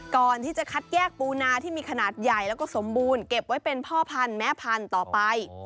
ก่อนที่จะคัดแยกปูนาที่มีขนาดใหญ่แล้วก็สมบูรณ์เก็บไว้เป็นพ่อพันธุ์แม่พันธุ์ต่อไป